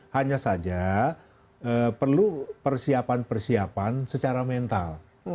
hanya saja perlu persiapan persiapan secara mental